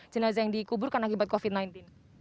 jenazah yang dikuburkan akibat covid sembilan belas